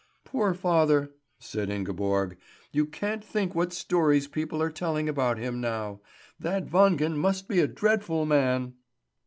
"Poor father," said Ingeborg. "You can't think what stories people are telling about him now. That Wangen must be a dreadful man!"